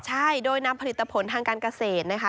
ใช่โดยนำผลิตภัณฑ์ทางการเกษตร